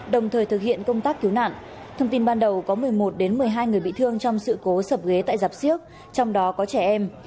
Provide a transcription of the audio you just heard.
đồng thời thực hiện công tác cứu nạn thông tin ban đầu có một mươi một một mươi hai người bị thương trong sự cố sập ghế tại giạp siếc trong đó có trẻ em